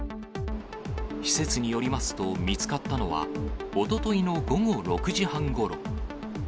施設によりますと見つかったのは、おとといの午後６時半ごろ。